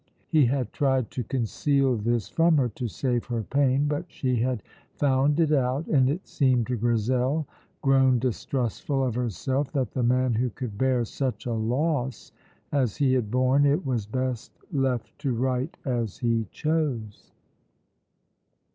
He had tried to conceal this from her to save her pain, but she had found it out, and it seemed to Grizel, grown distrustful of herself, that the man who could bear such a loss as he had borne it was best left to write as he chose.